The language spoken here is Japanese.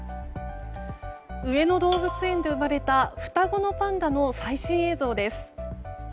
上野動物園で生まれた双子のパンダの最新映像です。